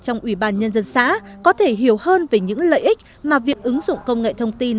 trong ubnd có thể hiểu hơn về những lợi ích mà việc ứng dụng công nghệ thông tin